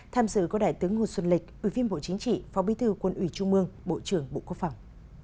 tham dự có đại tướng ngô xuân lịch ủy viên bộ chính trị phó bí thư quân ủy trung mương bộ trưởng bộ quốc phòng